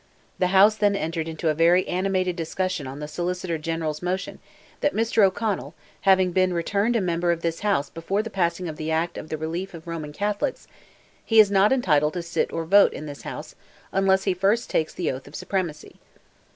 The House then entered into a very animated discussion on the Solicitor General's motion "that Mr. O'Connell, having been returned a member of this House before the passing of the Act for the Relief of the Roman Catholics, he is not entitled to sit or vote in this House unless he first takes the oath of supremacy."